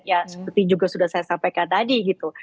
ya seperti juga sudah saya sampaikan tadi gitu